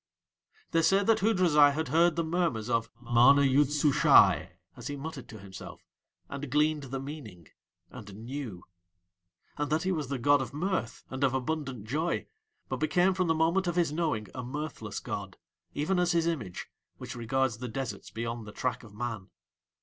They say that Hoodrazai had heard the murmers of MANA YOOD SUSHAI as he muttered to himself, and gleaned the meaning, and knew; and that he was the god of mirth and of abundant joy, but became from the moment of his knowing a mirthless god, even as his image, which regards the deserts beyond the track of man.